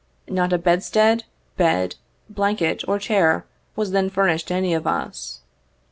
Not a bedstead, bed, blanket or chair was then furnished any of us.